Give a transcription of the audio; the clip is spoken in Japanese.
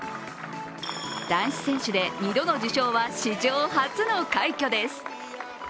男子選手で２度の受賞は史上初の快挙です。